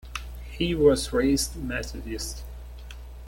He was raised Methodist.